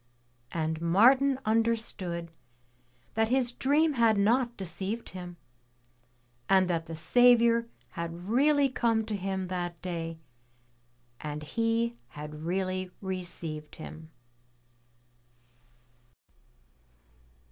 And Martin understood that his dream had not deceived him, and that the Saviour had really come to him that day and he had really received Him.